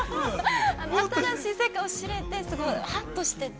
新しい世界を知れて、すごい、はっとしていて。